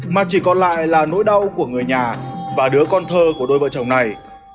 mà chỉ còn lại là nỗi đau của người nhà và đứa con thơ của đôi vợ chồng này